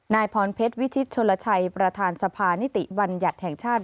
นายพรเพชรวิชิตชนลชัยประธานสภานิติบัญญัติแห่งชาติ